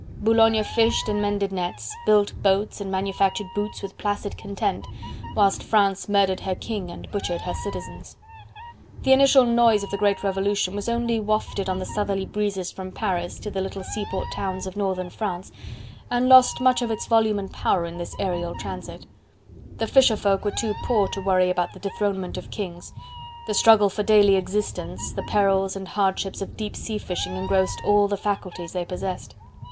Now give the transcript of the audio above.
Boulogne fished and mended nets, built boats and manufactured boots with placid content, whilst France murdered her king and butchered her citizens. The initial noise of the great revolution was only wafted on the southerly breezes from Paris to the little seaport towns of Northern France, and lost much of its volume and power in this aerial transit: the fisher folk were too poor to worry about the dethronement of kings: the struggle for daily existence, the perils and hardships of deep sea fishing engrossed all the faculties they possessed.